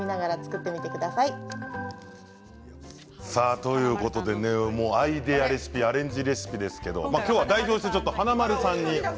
ということでアイデアレシピ、アレンジレシピですけれど、きょうは代表して華丸さんに。